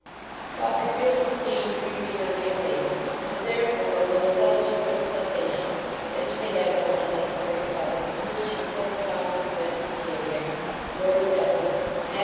But I feel the spleen creeping on me apace; and therefore will indulge you with a cessation, that you may have no unnecessary cause to curse your correspondence with, Dear Dick, Yours ever, MAT.